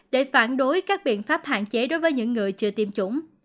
để phản đối các biện pháp hạn chế đối với những người chưa tiêm chủng